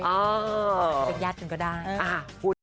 แต่ยัดถึงก็ได้